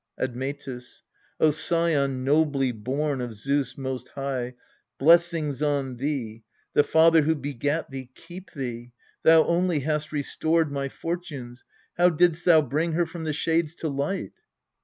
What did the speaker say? Admetiis. O scion nobly born of Zeus most high, Blessings on thee ! The Father who begat thee Keep thee ! Thou only hast restored my fortunes. How didst thou bring her from the shades to light?